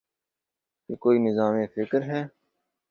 یہ کوئی نظام فکر ہے۔